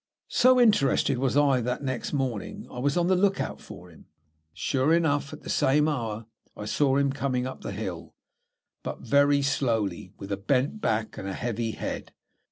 So interested was I that next morning I was on the look out for him. Sure enough, at the same hour, I saw him coming up the hill; but very slowly, with a bent back and a heavy head.